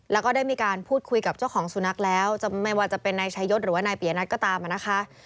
แล้วก็ได้มีการพูดคุยกับเจ้าของสุนัขแล้วไม่ว่าจะเป็นนายชายศหรือว่านายเปียนัทก็ตามนะคะ